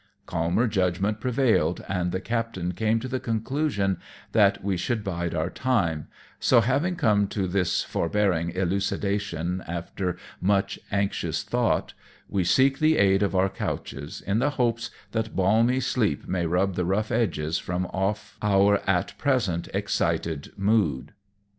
Calmer judgment prevailed, and the captain came to the conclusion that we should bide our time, so, having come to this forbearing elucidation after much anxious thought, we seek the aid of our couches, in the hopes that balmy sleep may rub the rough edges from off our at present excited mood.